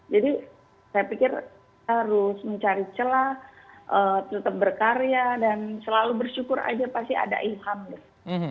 jadi saya pikir harus mencari celah tetap berkarya dan selalu bersyukur aja pasti ada ilham